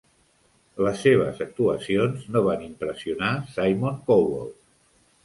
Les seves actuacions no van impressionar Simon Cowell.